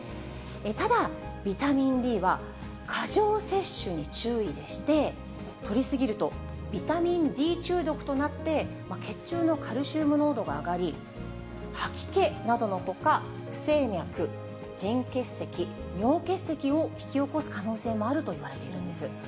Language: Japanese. ただ、ビタミンＤは過剰摂取に注意でして、とり過ぎると、ビタミンＤ中毒となって、血中のカルシウム濃度が上がり、吐き気などのほか、不整脈、腎結石、尿結石を引き起こす可能性もあるといわれているんです。